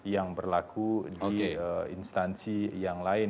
yang berlaku di instansi yang lain